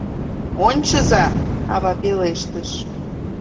— Ончыза, — ава пелештыш.